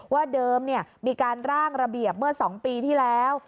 ว่าเดิมมีการร่างระเบียบเมื่อ๒ปีที่แล้ว